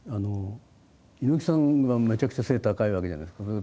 猪木さんがめちゃくちゃ背高いわけじゃないですか。